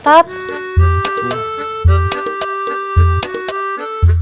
tkw yang ada di tkw ini adalah